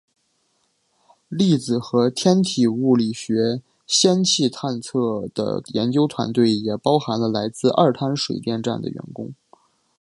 粒子和天体物理学氙探测器的研究团队也包含了来自二滩水电站的员工。